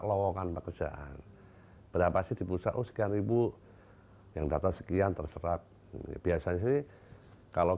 lowongan pekerjaan berapa sih di pusat usga ribu yang data sekian terserat biasanya kalau